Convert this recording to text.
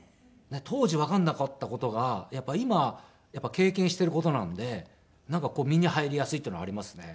当時わからなかった事がやっぱり今経験している事なのでなんかこう身に入りやすいっていうのはありますね。